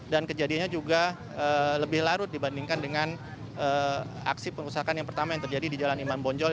dan kejadiannya juga lebih larut dibandingkan dengan aksi penggerusakan yang pertama yang terjadi di jalan iman bonjol